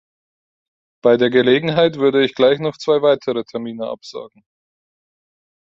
Bei der Gelegenheit würde ich gleich noch zwei weitere Termine absagen.